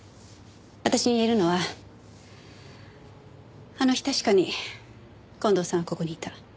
私に言えるのはあの日確かに近藤さんはここにいた。